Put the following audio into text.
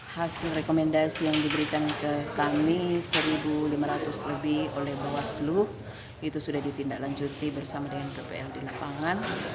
hasil rekomendasi yang diberikan ke kami satu lima ratus lebih oleh bawaslu itu sudah ditindaklanjuti bersama dengan dpr di lapangan